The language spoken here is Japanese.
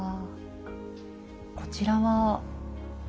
こちらは？